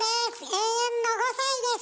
永遠の５さいです。